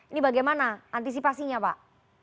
ini bagaimana antisipasinya pak